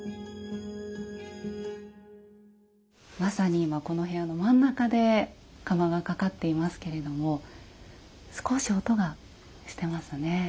まさに今この部屋の真ん中で釜がかかっていますけれども少し音がしてますね。